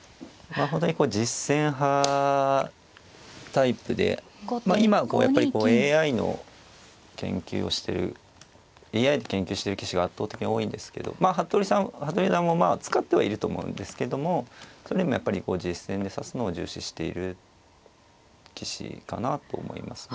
本当にこう実戦派タイプでまあ今やっぱりＡＩの研究をしてるＡＩで研究してる棋士が圧倒的に多いんですけど服部四段もまあ使ってはいると思うんですけどもそれよりもやっぱり実戦で指すのを重視している棋士かなと思いますね。